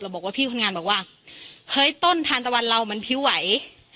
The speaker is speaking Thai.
บอกว่าพี่คนงานบอกว่าเฮ้ยต้นทานตะวันเรามันพิ้วไหว